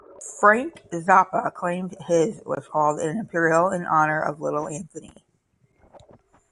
Frank Zappa claimed his was called an Imperial in honor of Little Anthony.